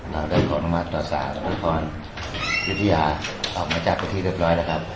เราได้ขอมาตรวจสระและปลอดภัณฑ์และพรรณที่สมัยอีพิหาออกมาจากประตูเรียบร้อยแล้วครับ